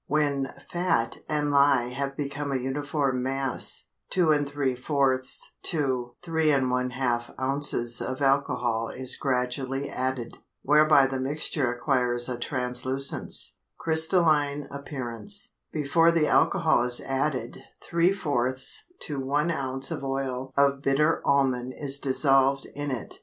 When fat and lye have become a uniform mass, 2¾ to 3½ ounces of alcohol is gradually added, whereby the mixture acquires a translucent, crystalline appearance. Before the alcohol is added three fourths to one ounce of oil of bitter almond is dissolved in it.